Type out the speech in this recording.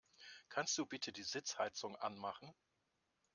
Kannst du bitte die Sitzheizung anmachen?